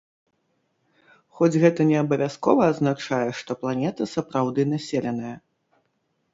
Хоць гэта не абавязкова азначае, што планета сапраўды населеная.